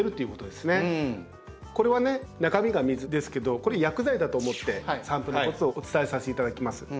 これはね中身が水ですけどこれ薬剤だと思って散布のコツをお伝えさせていただきます。